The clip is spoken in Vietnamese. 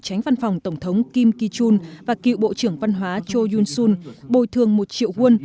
tránh văn phòng tổng thống kim ki chun và cựu bộ trưởng văn hóa cho yoon sun bồi thường một triệu won